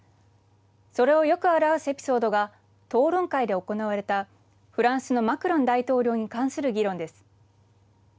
それをよく表すエピソードが討論会で行われたフランスのマクロン大統領に関する議論です。